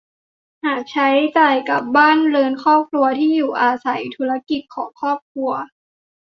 หากใช้จ่ายกับบ้านเรือนครอบครัว ที่อยู่อาศัย ธุรกิจของครอบครัว